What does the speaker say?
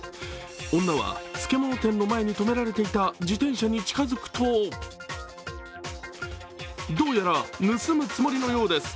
女は、漬物店の前に止められていた自転車に近づくとどうやら盗むつもりのようです。